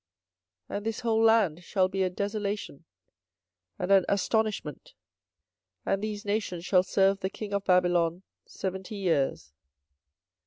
24:025:011 And this whole land shall be a desolation, and an astonishment; and these nations shall serve the king of Babylon seventy years.